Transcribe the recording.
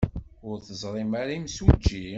Ur teẓrim ara imsujji?